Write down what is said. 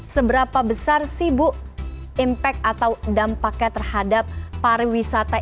seberapa besar sih bu impact atau dampaknya terhadap pariwisata